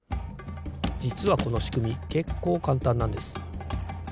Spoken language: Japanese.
じつはこのしくみけっこうかんたんなんです。